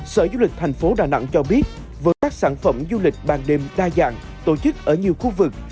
sở du lịch thành phố đà nẵng cho biết với các sản phẩm du lịch ban đêm đa dạng tổ chức ở nhiều khu vực